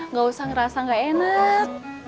nggak usah ngerasa gak enak